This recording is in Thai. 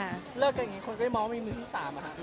เลิกกันอย่างนี้คนก็ไปมองมีมือที่๓อะค่ะ